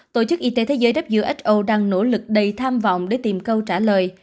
tổ chức y tế thế giới who đang nỗ lực đầy tham vọng để tìm câu trả lời